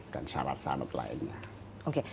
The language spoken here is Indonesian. dan syarat syarat lainnya